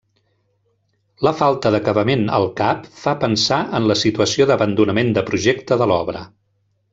La falta d'acabament al cap fa pensar en la situació d'abandonament de projecte de l'obra.